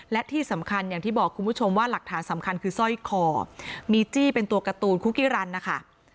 และที่สำคัญอย่างที่บอกคุณผู้ชมว่าหลักฐานสำคัญคือสร้อยคอมีจี้เป็นตัวการ์ตูนคุกกี้รันนะคะ